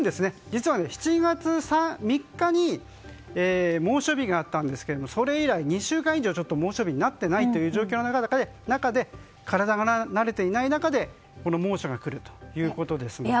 実は７月３日に猛暑日があったんですがそれ以来２週間以上猛暑日になっていない状況の中で体が慣れていない中で猛暑がくるということですので。